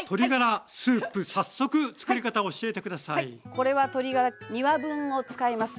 これは鶏ガラ２羽分を使います。